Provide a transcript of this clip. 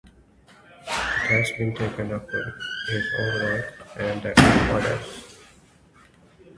It has been taken up in his own work, and that of others.